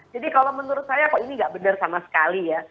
jadi kalau menurut saya kok ini nggak benar sama sekali ya